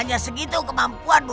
hanya segitu kemampuanmu